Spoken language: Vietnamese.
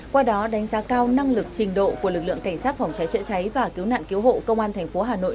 qua đó đánh giá cao năng lực trình độ của lực lượng cảnh sát phòng cháy chữa cháy và cứu nạn cứu hộ công an tp hà nội